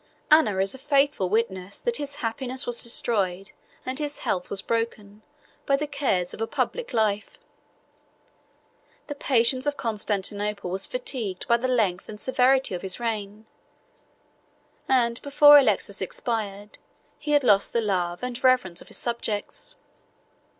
Anna is a faithful witness that his happiness was destroyed, and his health was broken, by the cares of a public life; the patience of Constantinople was fatigued by the length and severity of his reign; and before Alexius expired, he had lost the love and reverence of his subjects.